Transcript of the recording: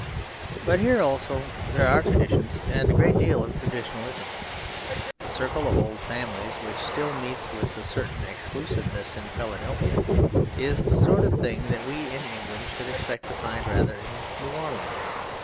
But here also there are traditions and a great deal of traditionalism. The circle of old families, which still meets with a certain exclusiveness in Philadelphia, is the sort of thing that we in England should expect to find rather in New Orleans.